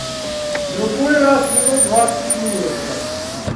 Другой раз минут двадцать смеются.